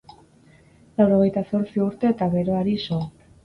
Laurogehita zortzi urte eta geroari so.